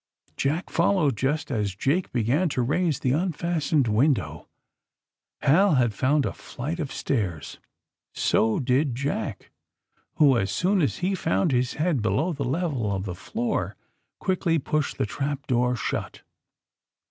Jack followed just as Jake began to raise the unfastened window. Hal had found a flight of stairs. So did Jack, who, as soon as he found his head below the level of the floor, quickly pushed the trap door shut.